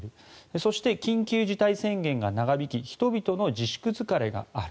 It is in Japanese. そして、緊急事態宣言が長引き人々の自粛疲れがある。